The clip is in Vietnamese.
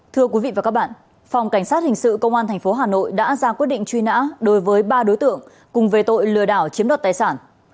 thưa quý vị và các bạn phòng cảnh sát hình sự công an tp hà nội đã ra quyết định truy nã đối với ba đối tượng cùng về tội lừa đảo chiếm đoạt tài sản